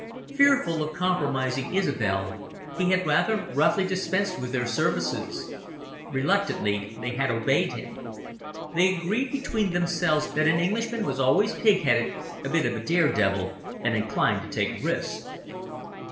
Fearful of compromising Isobel, he had rather roughly dispensed with their services. Reluctantly, they had obeyed him. They agreed between themselves that an Englishman was always pig headed, a bit of a dare devil, and inclined to take risks.